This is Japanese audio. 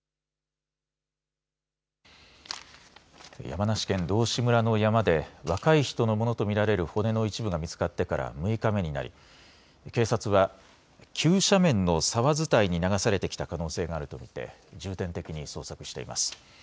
山梨県道志村の山で若い人のものと見られる骨の一部が見つかってから６日目になり警察は急斜面の沢伝いに流されてきた可能性があると見て重点的に捜索しています。